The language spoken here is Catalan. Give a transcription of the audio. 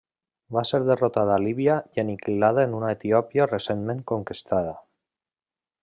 Va ser derrotada a Líbia i aniquilada en una Etiòpia recentment conquistada.